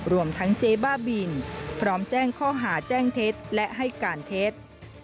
รวมทั้งเจ๊บ้าบินพร้อมแจ้งข้อหาแจ้งเท็จและให้การเท็จ